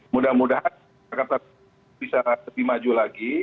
mudah mudahan jakarta bisa lebih maju lagi